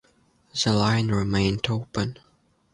The line remained open.